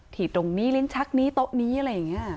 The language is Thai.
ถี่ตรงนี้ลิ้นชักนี้ตรงนี้เราอย่างงี้